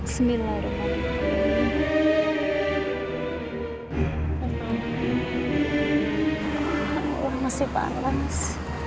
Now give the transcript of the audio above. semilang masih panas